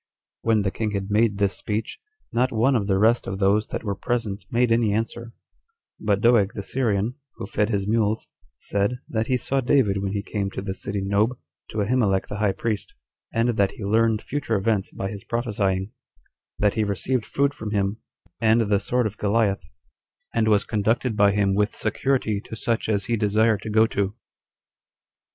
When the king had made this speech, not one of the rest of those that were present made any answer; but Doeg the Syrian, who fed his mules, said, that he saw David when he came to the city Nob to Ahimelech the high priest, and that he learned future events by his prophesying; that he received food from him, and the sword of Goliath, and was conducted by him with security to such as he desired to go to.